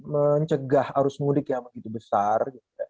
mencegah arus mudik yang begitu besar